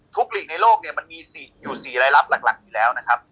ทุกลีกในโลกมันมีอยู่๔รายลักษณ์หลักอยู่แล้วนะครับ